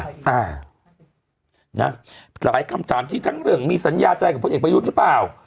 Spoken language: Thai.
อ่านะหลายคำถามที่ทั้งเรื่องมีสัญญาใจกับพลเอกประยุทธ์หรือเปล่า